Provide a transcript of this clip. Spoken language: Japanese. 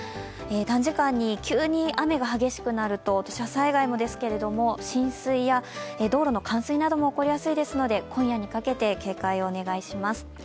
短時間に急に雨が激しくなると土砂災害もですけれども浸水や、道路の冠水なども起こりやすいですので今夜にかけて警戒をお願いします。